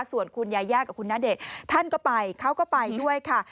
ส่วนคุณยาย่ากับคุณณเดชน์ท่านก็ไปเขาก็ไปด้วยค่ะ